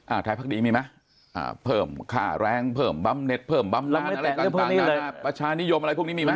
ไทยพักดีมีไหมอ่าเพิ่มค่าแรงเพิ่มบำเน็ตเพิ่มบำนานอะไรต่างนานาประชานิยมอะไรพวกนี้มีไหม